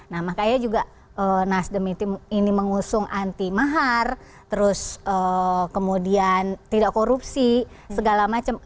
nah makanya juga nasdem ini mengusung anti mahar terus kemudian tidak korupsi segala macam